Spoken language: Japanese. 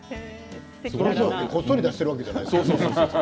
こっそり出しているわけではないんですよね？